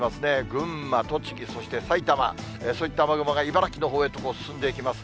群馬、栃木、そして埼玉、そういった雨雲が茨城のほうへと、進んでいきます。